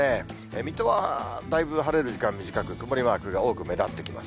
水戸はだいぶ晴れる時間短く、曇りマークが多く目立ってきます。